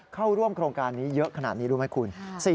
เข้าร่วมโครงการนี้เยอะขนาดนี้รู้ไหมคุณ